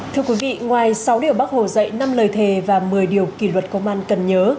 thưa quý vị ngoài sáu điều bác hồ dạy năm lời thề và một mươi điều kỷ luật công an cần nhớ